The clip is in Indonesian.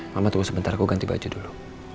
mama tunggu sebentar gue ganti baju dulu